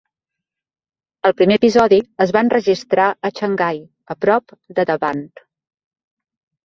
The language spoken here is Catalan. El primer episodi es va enregistrar a Xangai, a prop de The Bund.